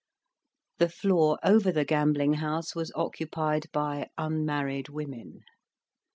The floor over the gambling house was occupied by unmarried women.